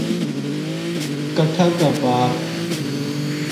کَٹھا کا پار